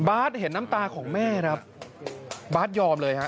บ๊าซเห็นน้ำตาของแม่บ๊าซยอมเลย